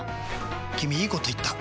君いいこと言った！